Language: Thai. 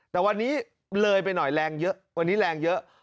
แต่วันนี้เลยไปหน่อยแรงเยอะวันนี้แรงเยอะ